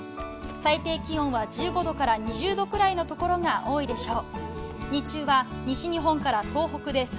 最低気温は１５度から２０度くらいのところが多いでしょう。